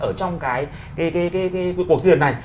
ở trong cái cuộc diễn này